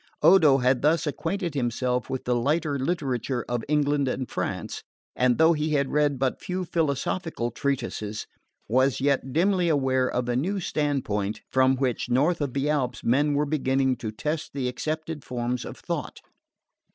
Odo had thus acquainted himself with the lighter literature of England and France; and though he had read but few philosophical treatises, was yet dimly aware of the new standpoint from which, north of the Alps, men were beginning to test the accepted forms of thought.